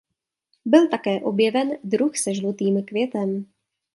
Byl také objeven druh se žlutým květem.